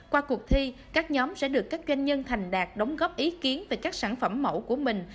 qua cuộc thi các nhóm sẽ được các doanh nhân thành đạt đóng góp ý kiến về các sản phẩm mẫu của mình